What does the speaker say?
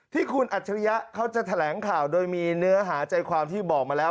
ที่คุณอัจฉริยะเขาจะแถลงข่าวโดยมีเนื้อหาใจความที่บอกมาแล้ว